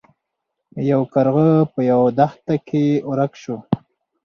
یو کارغه په یوه دښته کې ورک شو.